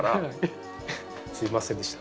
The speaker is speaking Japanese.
すみませんでした。